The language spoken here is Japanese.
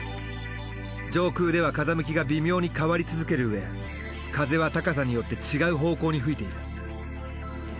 上空では風向きが微妙に変わり続けるうえ風は高さによって違う方向に吹いている。